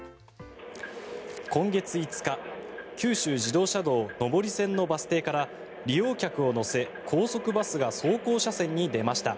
今月５日九州自動車道上り線のバス停から利用客を乗せ高速バスが走行車線に出ました。